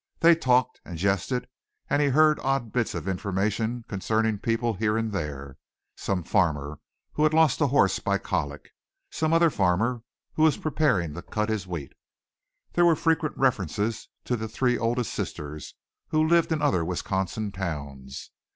They talked and jested and he heard odd bits of information concerning people here and there some farmer who had lost a horse by colic; some other farmer who was preparing to cut his wheat. There were frequent references to the three oldest sisters, who lived in other Wisconsin towns.